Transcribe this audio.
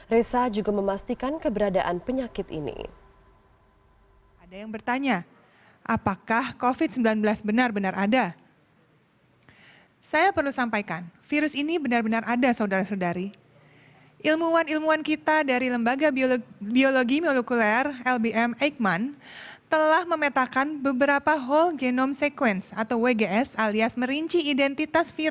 reza juga memastikan keberadaan penyakit ini